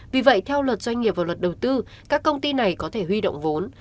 vì vậy theo luật doanh nghiệp và luật đầu tư các công ty này có thể huy động vốn